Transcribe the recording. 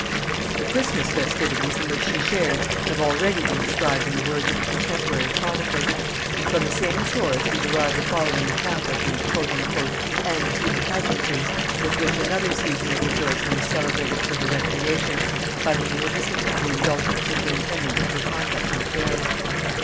The Christmas festivities in which she shared have already been described in the words of a contemporary chronicler; and from the same source we derive the following account of the "antique pageantries" with which another season of rejoicing was celebrated for her recreation, by the munificence of the indulgent superintendent of her conduct and affairs.